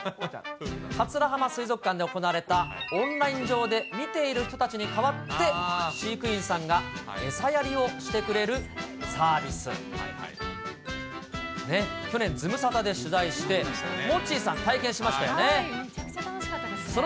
桂浜水族館で行われたオンライン上で見ている人たちに代わって、飼育員さんが餌やりをしてくれるサービスなんです。ね、去年ズムサタで取材して、モッチーさん、体験しましたよね。